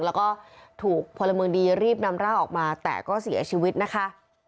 แล้วก็ถูกพลเมืองดีรีบนำร่างออกมาแต่ก็เสียชีวิตนะคะ